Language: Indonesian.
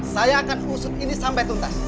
saya akan usut ini sampai tuntas